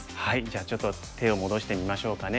じゃあちょっと手を戻してみましょうかね。